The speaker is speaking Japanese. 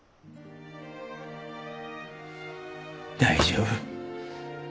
大丈夫。